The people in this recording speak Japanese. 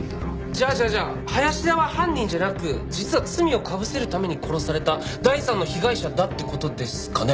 じゃあじゃあじゃあ林田は犯人じゃなく実は罪をかぶせるために殺された第３の被害者だって事ですかね？